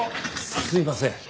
すいません。